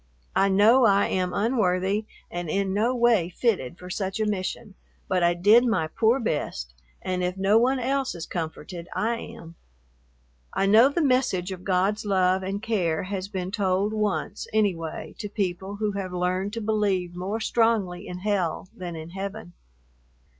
I know I am unworthy and in no way fitted for such a mission, but I did my poor best, and if no one else is comforted, I am. I know the message of God's love and care has been told once, anyway, to people who have learned to believe more strongly in hell than in heaven.